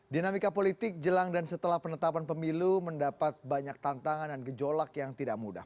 dinamika politik jelang dan setelah penetapan pemilu mendapat banyak tantangan dan gejolak yang tidak mudah